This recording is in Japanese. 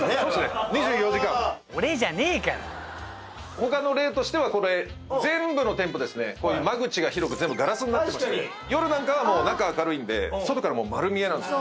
他の例としてはこれ全部の店舗ですねこういう間口が広く全部ガラスになってまして夜なんかはもう中明るいんで外から丸見えなんですよ。